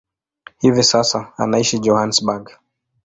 Hivi sasa anaishi Johannesburg.